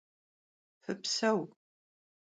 Fıpseu!